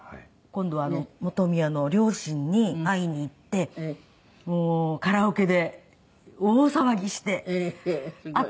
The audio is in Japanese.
今度は本宮の両親に会いに行ってもうカラオケで大騒ぎして会った初日に。